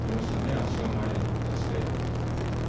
足を前に出して。